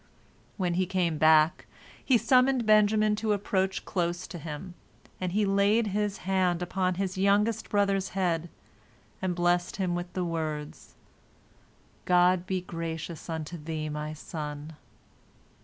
When he came back, he summoned Benjamin to approach close to him, and he laid his hand upon his youngest brother's head, and blessed him with the words, "God be gracious unto thee, my son."